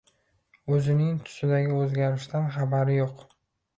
O‘zining tusidagi o‘zgarishdan xabari yo‘q